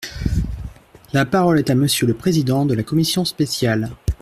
La parole est à Monsieur le président de la commission spéciale.